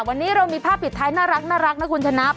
วันนี้เรามีภาพปิดท้ายน่ารักนะคุณชนะ